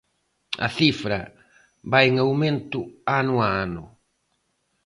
A cifra vai en aumento ano a ano.